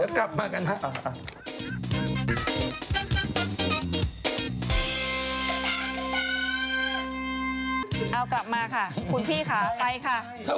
เอากลับมาค่ะคุณพี่ค่ะไปค่ะ